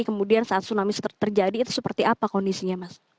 kemudian saat tsunami terjadi itu seperti apa kondisinya mas